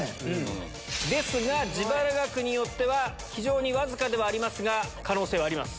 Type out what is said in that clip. ですが自腹額によっては非常にわずかではありますが可能性はあります。